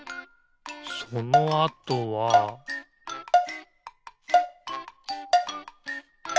そのあとはピッ！